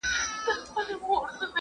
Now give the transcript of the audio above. زه خپل عزت له هر ډول خطره ساتم.